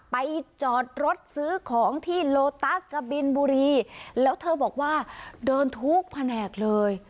ไปจอดรถซื้อของที่โลตัสกะบินบุรีแล้วเธอบอกว่าเดินทุกแผนกเลย